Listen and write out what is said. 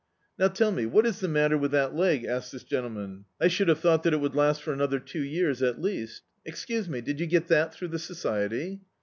"Now tell me what is the matter with that leg?' asked this gentleman. "I should have thou^t that it would last for another two years at least Excuse me, did you get that through the Society?"